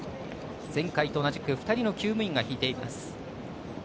前回と同じく２人のきゅう務員が引いています。